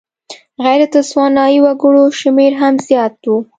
غیر تسوانایي وګړو شمېر هم زیات و.